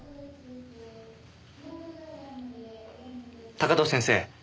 高塔先生。